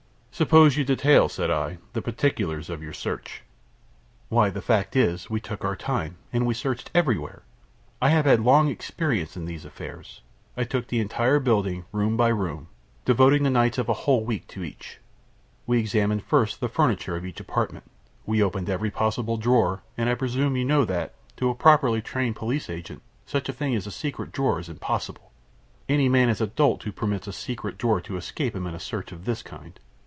"Suppose you detail," said I, "the particulars of your search." "Why, the fact is, we took our time, and we searched everywhere. I have had long experience in these affairs. I took the entire building, room by room, devoting the nights of a whole week to each. We examined, first, the furniture of each apartment. We opened every possible drawer; and I presume you know that, to a properly trained police agent, such a thing as a 'secret' drawer is impossible. Any man is a dolt who permits a 'secret' drawer to escape him in a search of this kind.